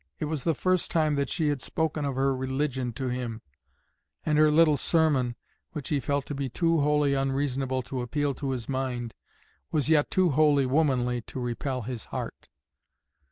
It was the first time that she had spoken of her religion to him, and her little sermon, which he felt to be too wholly unreasonable to appeal to his mind, was yet too wholly womanly to repel his heart.